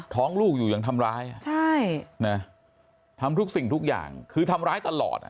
ท้องลูกอยู่อย่างทำร้ายทำทุกสิ่งทุกอย่างคือทำร้ายตลอด